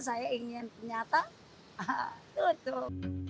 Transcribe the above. saya ingin ternyata tutup